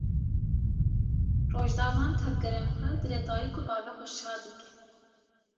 Rojda van tevgerên xwe dilê dayîk û bavê xwe şa dike.